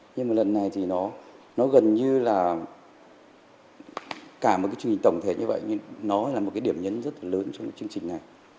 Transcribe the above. nhưng mà lần này thì nó gần như là cả một cái chương trình tổng thể như vậy nó là một cái điểm nhấn rất là lớn trong cái chương trình này